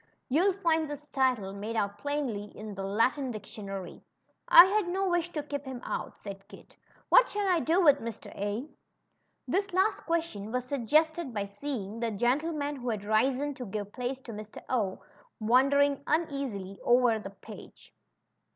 You'll find his title made out plainly in the Latin dictionary." had no wish to keep him out/' said Kit. What shall I do with Mr. A?" This last question was suggested by seeing that gentleman^ who had risen to give place to Mr. 0, wandering uneasily over the page.